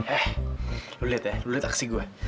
eh lo liat ya lo liat aksi gue